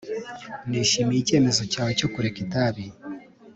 nishimiye icyemezo cyawe cyo kureka itabi